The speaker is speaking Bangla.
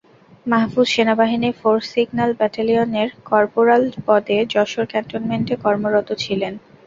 মাহফুজ সেনাবাহিনীর ফোর্স সিগন্যাল ব্যাটালিয়নের করপোরাল পদে যশোর ক্যান্টনমেন্টে কর্মরত ছিলেন।